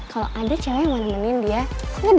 kalo ada cewek yang mau nemenin dia ngedate mending dia